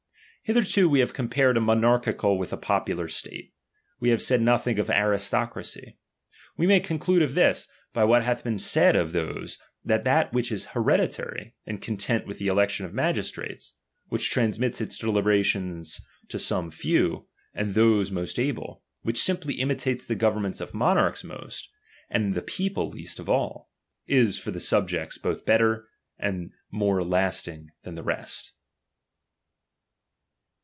Hitherto we have compared a monarchical h with a popular state ; we have said nothing of aristocracy. We may conclude of this, by what hath been said of those, that that which is heredi ' tary, and content with the election of magistrates ; which transmits its deliberations to some few, and those most able ; which simply imitates the govern ment of mouarchs most, and the people least of all ; is for the subjects both better and more last ing than the rest.